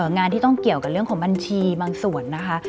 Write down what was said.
งานที่ต้องเกี่ยวกับเรื่องของบัญชีบางส่วนนะคะ